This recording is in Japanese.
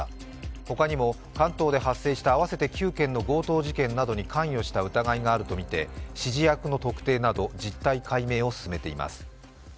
他にも関東で発生した合わせて９件の強盗事件などに関与した疑いがあるとみて指示役の特定など実態解明を進めています。